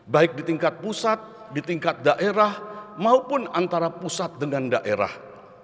baik di tingkat pusat di tingkat daerah maupun antara pusat dengan daerah